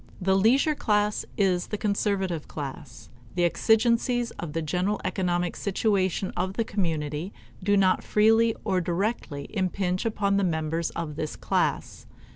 The leisure class is the conservative class. The exigencies of the general economic situation of the community do not freely or directly impinge upon the members of this class.